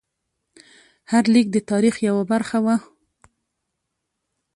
هر لیک د تاریخ یوه برخه وه.